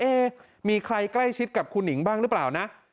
มีใครใกล้ชิดกับครูหนิงบ้างหรือเปล่านะ